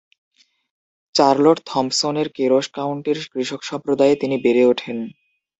Charlotte থম্পসনের কেরশ কাউন্টির কৃষক সম্প্রদায়ে তিনি বেড়ে ওঠেন।